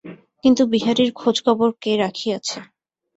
কিন্তু বিহারীর খোঁজখবর কে রাখিয়াছে।